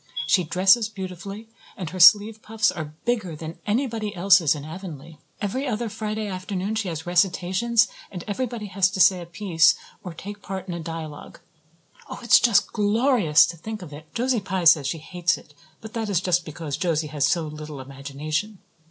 She dresses beautifully, and her sleeve puffs are bigger than anybody else's in Avonlea. Every other Friday afternoon she has recitations and everybody has to say a piece or take part in a dialogue. Oh, it's just glorious to think of it. Josie Pye says she hates it but that is just because Josie has so little imagination.